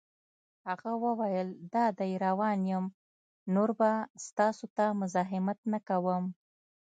هغه وویل: دادی روان یم، نور به ستاسو ته مزاحمت نه کوم.